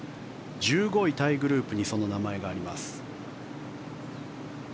１５位タイグループにその名前があります。